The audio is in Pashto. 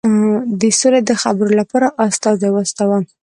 د سولي د خبرو لپاره استازی واستاوه.